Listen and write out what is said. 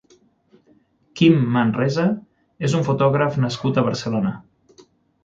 Kim Manresa és un fotògraf nascut a Barcelona.